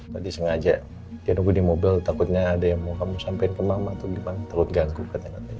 tadi sengaja ya nunggu di mobil takutnya ada yang mau kamu sampein ke mama atau gimana terlalu ganggu katanya